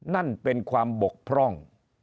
นั่นเป็นความบกพร่อง